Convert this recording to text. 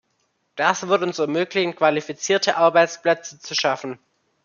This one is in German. Das wird uns ermöglichen, qualifizierte Arbeitsplätze zu schaffen.